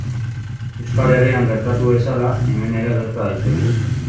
Euskal Herrian gertatu bezala, hemen ere gerta daiteke.